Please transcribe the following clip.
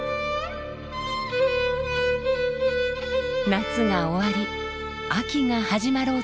夏が終わり秋が始まろうとしています。